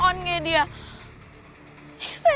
gue gak mau kerja sama sama cowok cowok